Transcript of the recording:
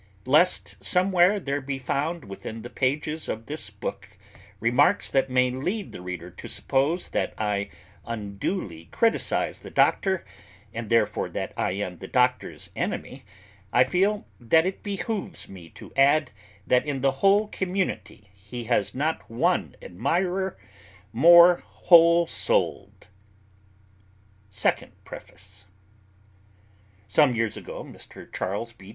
Lest somewhere there be found within the pages of this book remarks that may lead the reader to suppose that I unduly criticize the doctor, and therefore that I am the doctor's enemy, I feel that it behooves me to add that in the whole community he has not one admirer more whole souled. PREFACE Some years ago, Mr. Charles B.